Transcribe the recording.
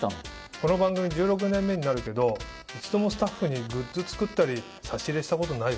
この番組１６年目になるけど一度もスタッフにグッズ作ったり差し入れしたことないよね？